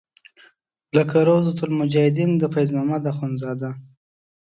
لکه روضة المجاهدین د فیض محمد اخونزاده.